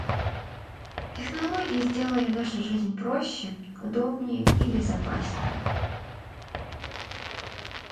Технологии сделали нашу жизнь проще, удобнее и безопаснее.